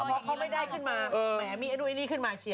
ไม่ได้ขึ้นมาแหมมีอันดูอินี่ขึ้นมาเฉียว